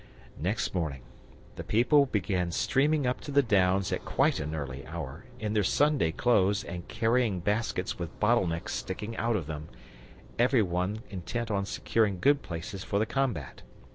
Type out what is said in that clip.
Next morning the people began streaming up to the Downs at quite an early hour, in their Sunday clothes and carrying baskets with bottle necks sticking out of them, every one intent on securing good places for the combat.